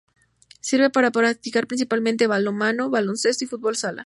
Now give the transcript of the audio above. Sirve para practicar principalmente balonmano, baloncesto y fútbol sala.